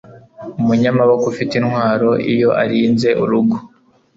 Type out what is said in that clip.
Umunyamaboko ufite intwaro iyo arinze urugo